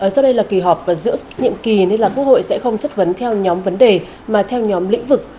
do đây là kỳ họp giữa nhiệm kỳ nên là quốc hội sẽ không chất vấn theo nhóm vấn đề mà theo nhóm lĩnh vực